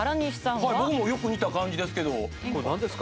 はい僕もよく似た感じですけどこれ何ですか？